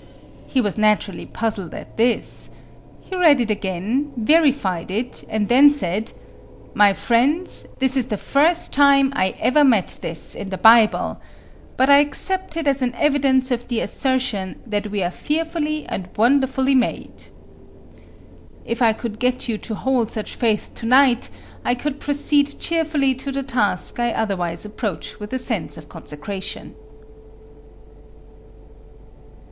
He was naturally puzzled at this. He read it again, verified it, and then said, "My friends, this is the first time I ever met this in the Bible, but I accept it as an evidence of the assertion that we are fearfully and wonderfully made." If I could get you to hold such faith to night, I could proceed cheerfully to the task I otherwise approach with a sense of consecration.